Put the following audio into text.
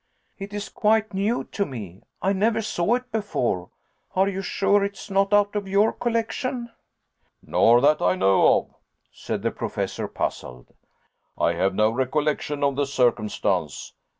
It is quite new to me. I never saw it before are you sure it is not out of your collection?" "Not that I know of," said the Professor, puzzled. "I have no recollection of the circumstance.